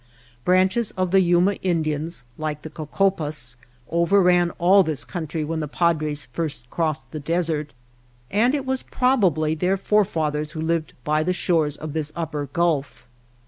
Branches of the Yuma Indians, like the Cocopas, overran all this country when the Padres first crossed the desert ; and it was probably their fore fathers who lived by the shores of this Upper Gulf.